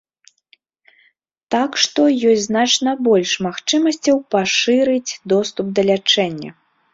Так што ёсць значна больш магчымасцяў пашырыць доступ да лячэння.